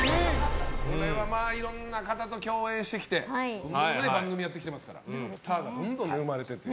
これはいろんな方と共演してきていろいろ番組やってきますからスターがどんどん生まれてる。